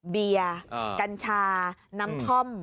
เบียร์กัญชาน้ำท่อม